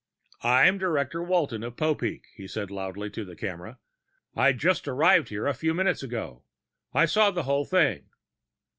"I'm Director Walton of Popeek," he said loudly, into the camera. "I just arrived here a few minutes ago. I saw the whole thing."